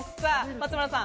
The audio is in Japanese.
松丸さん。